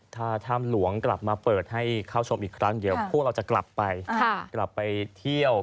ถ้าถ้ำหลวงกลับมาเปิดให้เข้าชมอีกครั้งเดี๋ยวพวกเราจะกลับไปกลับไปเที่ยว